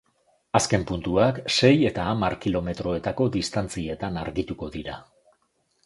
Azken puntuak sei eta hamar kilometroetako distantzietan argituko dira.